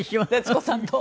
徹子さんと。